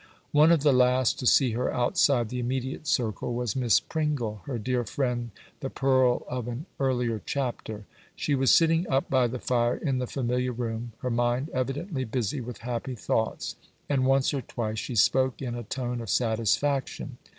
One of the last to see her outside the immediate circle was Miss Pringle, her dear friend, the Pearl of an earlier chapter. "She was sitting up by the fire in the familiar room, her mind evidently busy with happy thoughts, and once or twice she spoke in a tone of satisfaction."